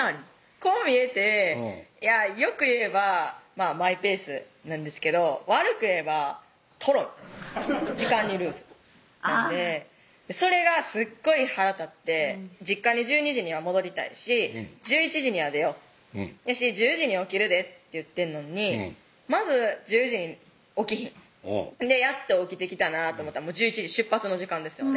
こう見えてよく言えばマイペースなんですけど悪く言えばトロい時間にルーズなんでそれがすっごい腹立って「実家に１２時には戻りたいし１１時には出よう」「１０時に起きるで」って言ってんのにまず１０時に起きひんやっと起きてきたなと思ったら１１時出発の時間ですよね